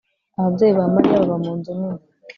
Ababyeyi ba Mariya baba mu nzu nini